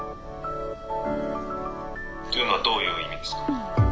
「というのはどういう意味ですか？」。